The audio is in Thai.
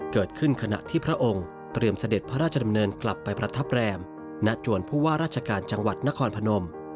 ขณะที่พระองค์เตรียมเสด็จพระราชดำเนินกลับไปประทับแรมณจวนผู้ว่าราชการจังหวัดนครพนม